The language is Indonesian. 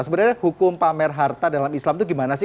sebenarnya hukum pamer harta dalam islam itu gimana sih